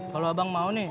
kalau abang mau nih